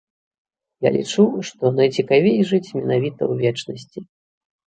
Я лічу, што найцікавей жыць менавіта ў вечнасці.